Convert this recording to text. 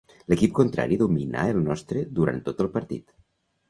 L'equip contrari dominà el nostre durant tot el partit.